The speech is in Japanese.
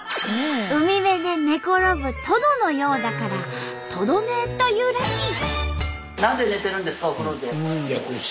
海辺で寝転ぶトドのようだから「トド寝」というらしい。